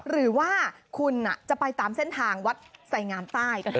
หรือว่าคุณจะไปตามเส้นทางวัดใส่งามใต้